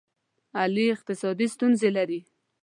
علي اقتصادي ستونزې لري.